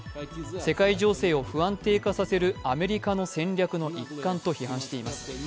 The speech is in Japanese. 世界情勢を不安定化させるアメリカの戦略の一環としています。